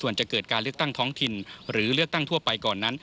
ในหัวหน้าเลือกตั้งท้องถิ่นหรือเลือกตั้งทั่วไปก่อนนั้น